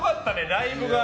ライブが。